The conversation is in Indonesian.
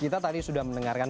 kita tadi sudah mendengarkan